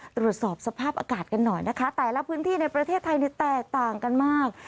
ตรวจสอบสภาพอากาศกันหน่อยนะคะแต่ละพื้นที่ในประเทศไทยแตกต่างกันมาก